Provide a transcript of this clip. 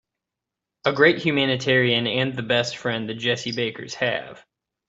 A great humanitarian and the best friend the Jessie Bakers have.